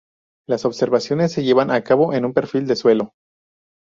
Las observaciones se llevan a cabo en un perfil de suelo.